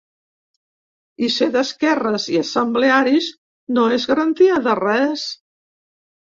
I ser d’esquerres i assemblearis no és garantia de res.